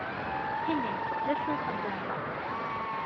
Ini-d d acu nxeddem da!